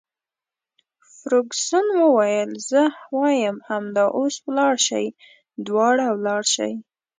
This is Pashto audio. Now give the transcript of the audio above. فرګوسن وویل: زه وایم همدا اوس ولاړ شئ، دواړه ولاړ شئ.